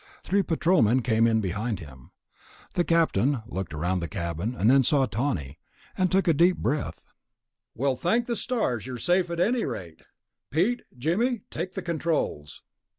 Three Patrolmen came in behind him. The captain looked around the cabin, then saw Tawney, and took a deep breath. "Well, thank the stars you're safe at any rate. Pete, Jimmy, take the controls."